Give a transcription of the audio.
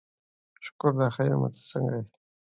Olympique Lyonnais are the defending champions.